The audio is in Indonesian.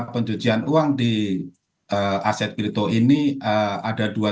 pencucian uang di aset kripto ini ada dua